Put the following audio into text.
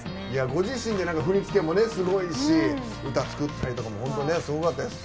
ご自身で振り付けもすごいし歌作ったりとかも本当ねすごかったです。